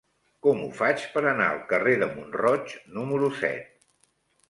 Com ho faig per anar al carrer de Mont-roig número set?